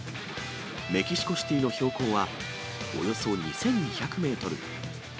メキシコシティの標高はおよそ２２００メートル。